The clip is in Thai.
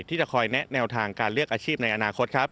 ที่จะคอยแนะแนวทางการเลือกอาชีพในอนาคตครับ